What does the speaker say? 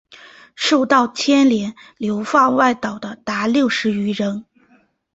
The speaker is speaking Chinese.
受到牵连流放外岛的达六十余人。